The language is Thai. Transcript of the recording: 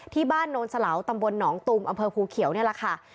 ที่บ้านโน้นเสลาตำบลหนองตุ๋มอำเภอภูเขียวนี่แหละค่ะ